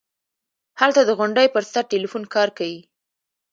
هلته د غونډۍ پر سر ټېلفون کار کيي.